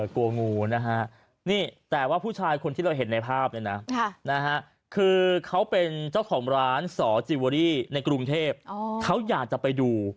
กลัวงูนะฮะนี่แต่ว่าผู้ชายคนที่เราเห็นในภาพเนี่ยนะคือเขาเป็นเจ้าของร้านสอจิเวอรี่ในกรุงเทพเขาอยากจะไปดู